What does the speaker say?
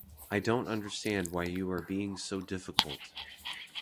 I don't understand why you are being so difficult!